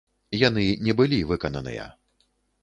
Яны не былі выкананыя.